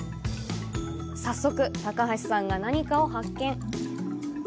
早速、高橋さんが何かを発見！